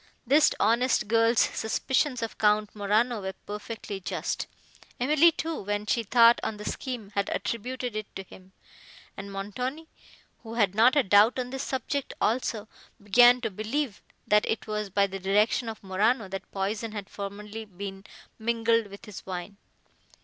This honest girl's suspicions of Count Morano were perfectly just; Emily, too, when she thought on the scheme, had attributed it to him; and Montoni, who had not a doubt on this subject, also, began to believe, that it was by the direction of Morano, that poison had formerly been mingled with his wine.